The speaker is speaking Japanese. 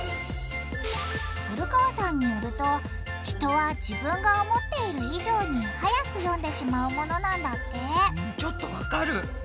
古川さんによると人は自分が思っている以上にはやく読んでしまうものなんだってうんちょっとわかる。